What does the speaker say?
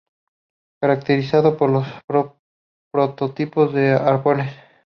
Caracterizado por los prototipos de arpones.